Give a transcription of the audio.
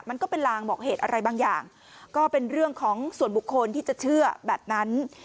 มันก็เป็นลางบอกเหตุอะไรบางอย่างก็เป็นเรื่องของส่วนบุคคลที่จะเชื่อแบบนั้น